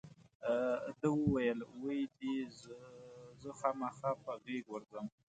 ده وویل وی دې زه خامخا په غېږ ورځم.